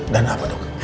dan apa dok